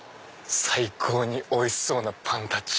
最高においしそうなパンたち。